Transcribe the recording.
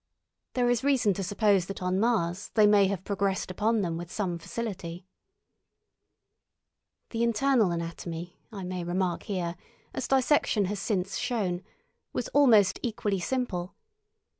There is reason to suppose that on Mars they may have progressed upon them with some facility. The internal anatomy, I may remark here, as dissection has since shown, was almost equally simple.